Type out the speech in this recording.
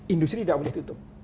industri tidak boleh tutup